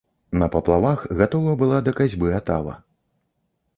На паплавах гатова была да касьбы атава.